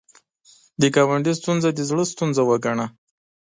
د ګاونډي ستونزه د زړه ستونزه وګڼه